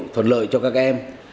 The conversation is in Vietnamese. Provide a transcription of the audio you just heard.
thuận lợi cho các em